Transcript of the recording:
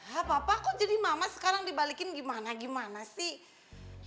hah papa kok jadi mama sekarang dibalikin gimana gimana sih